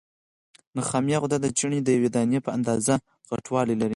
نخامیه غده د چڼې د یوې دانې په اندازه غټوالی لري.